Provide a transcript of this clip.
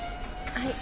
はい。